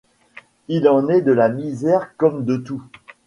Il en est de la misère comme de tout.